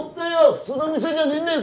普通の店じゃねえんだよ